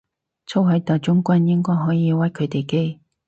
粗口大將軍應該可以屈佢哋機